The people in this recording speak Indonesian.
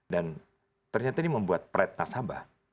dan ternyata ini membuat pride nasabah